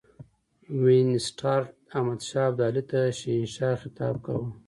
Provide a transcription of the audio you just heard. وینسیټارټ احمدشاه ابدالي ته شهنشاه خطاب کاوه.